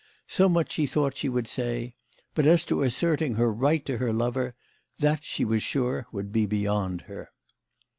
So much she thought she would say. But as to asserting her right to her lover, that she was sure would be beyond her.